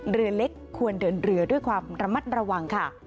เรือเล็กควรเดินเรือด้วยความระมัดระวังค่ะ